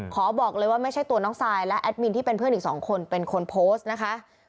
ขอบอกเลยว่าไม่ใช่ตัวน้องซายและแอดมินที่เป็นเพื่อนอีกสองคนเป็นคนโพสต์นะคะ